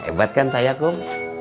hebat kan saya kum